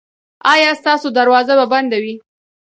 ایا ستاسو دروازه به بنده وي؟